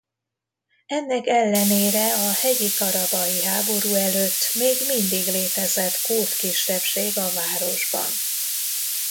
Ennek ellenére a Hegyi-Karabahi háború előtt még mindig létezett kurd kisebbség a városban.